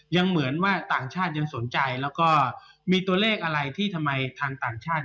เหมือนว่าต่างชาติยังสนใจแล้วก็มีตัวเลขอะไรที่ทำไมทางต่างชาติ